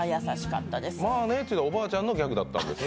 まぁねぇというのはおばあちゃんのギャグだったんですね。